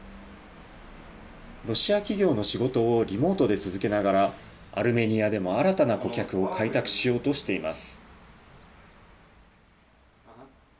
ロシア企業の仕事をリモートで続けながら、アルメニアでも新たな顧客を開拓しようとしています。